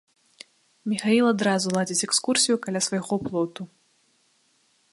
Міхаіл адразу ладзіць экскурсію каля свайго плоту.